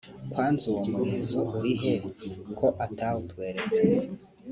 kwanza uwo murizo uri he ko atawutweretse